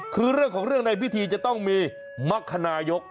คือเรื่องของเรื่องในพิธีจะต้องมีมรรคนายก